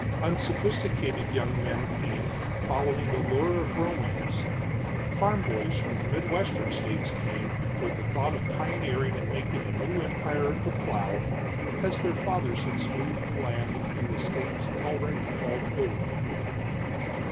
Unsophisticated young men came, following the lure of romance; farm boys from the midwestern states came, with a thought of pioneering and making a new empire of the plow, as their fathers had smoothed the land in the states already called old.